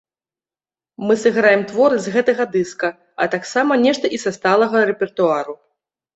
Мы сыграем творы з гэтага дыска, а таксама нешта і са сталага рэпертуару.